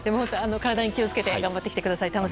体に気を付けて頑張ってきてください。